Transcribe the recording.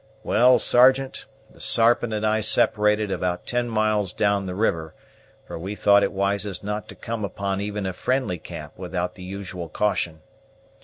Well, Sergeant, the Sarpent and I separated about ten miles down the river; for we thought it wisest not to come upon even a friendly camp without the usual caution.